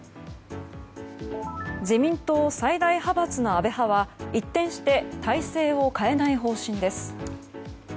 自民党最大派閥の安倍派は一転して体制を変えない方針です。